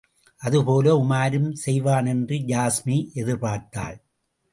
அதுபோல உமாரும் செய்வானென்று யாஸ்மி எதிர்பார்த்தாள்.